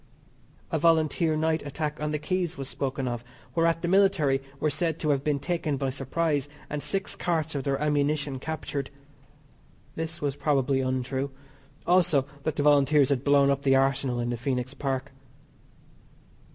A Volunteer night attack on the Quays was spoken of, whereat the military were said to have been taken by surprise and six carts of their ammunition captured. This was probably untrue. Also, that the Volunteers had blown up the Arsenal in the Phoenix Park.